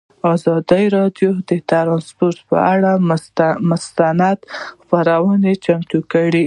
ازادي راډیو د ترانسپورټ پر اړه مستند خپرونه چمتو کړې.